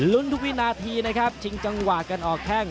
ทุกวินาทีนะครับชิงจังหวะกันออกแข้ง